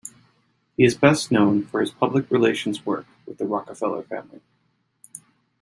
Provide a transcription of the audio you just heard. He is best known for his public relations work with the Rockefeller family.